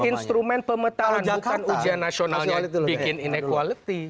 instrumen pemetaan bukan ujian nasionalnya bikin inequality